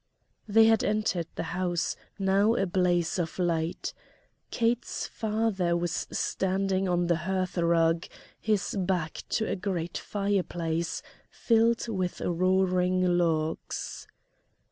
They had entered the house, now a blaze of light. Kate's father was standing on the hearth rug, his back to a great fireplace filled with roaring logs.